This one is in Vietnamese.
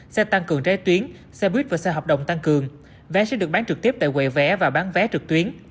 xe tăng cường trái tuyến xe buýt và xe hợp đồng tăng cường vé sẽ được bán trực tiếp tại quầy vé và bán vé trực tuyến